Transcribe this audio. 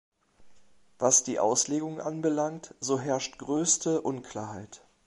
Was die Auslegung anbelangt, so herrscht größte Unklarheit.